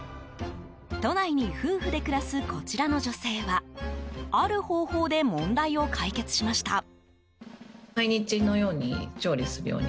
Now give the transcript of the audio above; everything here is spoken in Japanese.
都内に夫婦で暮らすこちらの女性はある方法で問題を解決しました。